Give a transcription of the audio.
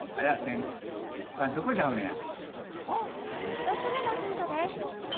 １つ目のヒントです。